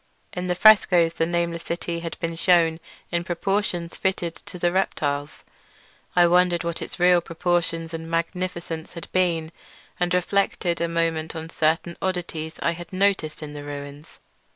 In the frescoes the nameless city had been shewn in proportions fitted to the reptiles. I wondered what its real proportions and magnificence had been, and reflected a moment on certain oddities I had noticed in the ruins.